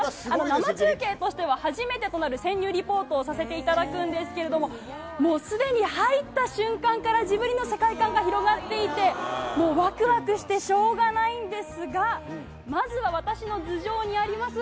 生中継としては、初めてとなる潜入リポートをさせていただくんですけれども、もうすでに入った瞬間から、ジブリの世界観が広がっていて、もうわくわくしてしょうがないんですが、まずは私の頭上にあります